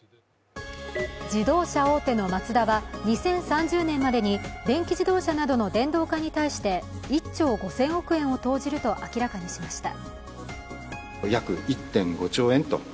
自動車大手のマツダは２０３０年までに電気自動車などの電動化に対して１兆５０００億円を投じると明らかにしました。